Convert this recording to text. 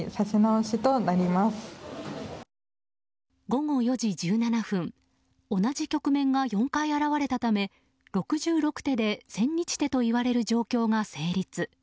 午後４時１７分同じ局面が４回現れたため６６手で千日手といわれる状況が成立。